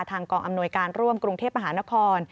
กองอำนวยการร่วมกรุงเทพมหานคร